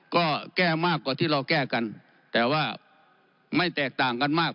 ก็แก้มากกว่าที่เราแก้กันแต่ว่าไม่แตกต่างกันมาก